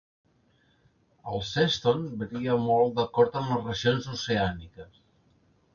El sèston varia molt d'acord amb les regions oceàniques.